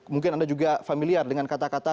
mungkin anda juga familiar dengan kata kata